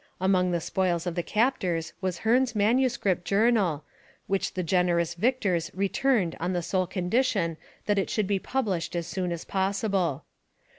Among the spoils of the captors was Hearne's manuscript journal, which the generous victors returned on the sole condition that it should be published as soon as possible.